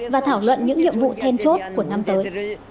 và thảo luận những nhiệm vụ then chốt của năm tới